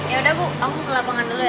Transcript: ya udah bu aku ke lapangan dulu ya